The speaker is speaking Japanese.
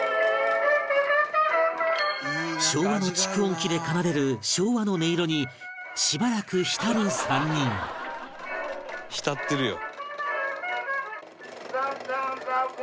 昭和の蓄音機で奏でる昭和の音色にしばらく浸る３人浸ってるよ。